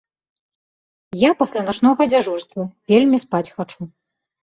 Я пасля начнога дзяжурства, вельмі спаць хачу.